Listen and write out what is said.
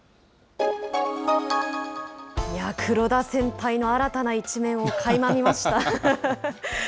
いや、黒田先輩の新たな一面をかいま見ました。